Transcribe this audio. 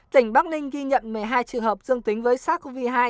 tỉnh bắc ninh ghi nhận một mươi hai trường hợp dương tính với sars cov hai